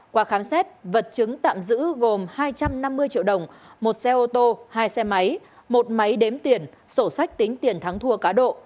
qua khám xét vật chứng tạm giữ gồm hai trăm năm mươi triệu đồng một xe ô tô hai xe máy một máy đếm tiền sổ sách tính tiền thắng thua cá độ